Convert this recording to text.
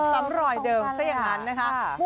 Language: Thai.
ซ้ำรอยเดิมซะอย่างนั้นนะคะ